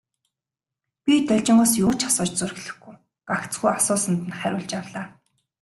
Би Должингоос юу ч асууж зүрхлэхгүй, гагцхүү асуусанд нь хариулж явлаа.